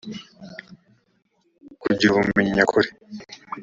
kugira ubumenyi nyakuri